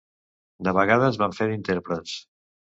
De vegades van fer d'intèrprets.